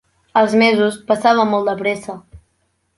Els mesos passaven molt de pressa.